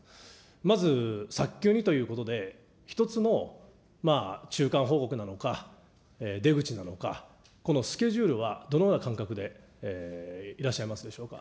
まず早急にということで、一つも、中間報告なのか、出口なのか、このスケジュールはどのような感覚でいらっしゃいますでしょうか。